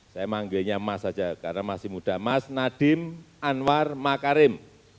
saya manggilnya mas saja karena masih muda mas nadiem anwar makarim